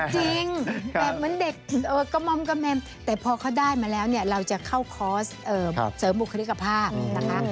จริงแบบเหมือนเด็กกระม่อมกระแมมแต่พอเขาได้มาแล้วเนี่ยเราจะเข้าคอร์สเสริมบุคลิกภาพนะคะ